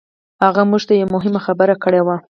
هغه موږ ته يوه مهمه خبره کړې وه.